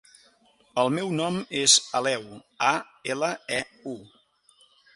El meu nom és Aleu: a, ela, e, u.